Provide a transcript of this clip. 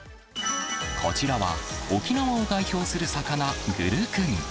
こちらは、沖縄を代表する魚、グルクン。